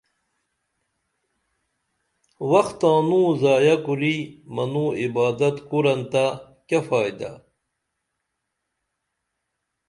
وخ تانوں ضائع کُری منو عبادت کورن تہ کیہ فائدہ